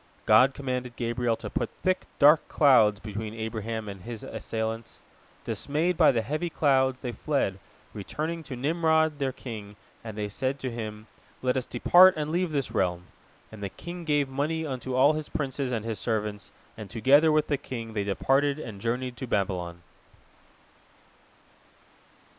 God commanded Gabriel to put thick, dark clouds between Abraham and his assailants. Dismayed by the heavy clouds, they fled, returning to Nimrod, their king, and they said to him, "Let us depart and leave this realm," and the king gave money unto all his princes and his servants, and together with the king they departed and journeyed to Babylon.